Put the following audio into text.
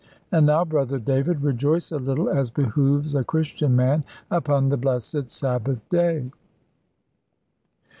And now, Brother David, rejoice a little, as behoves a Christian man, upon the blessed Sabbath day."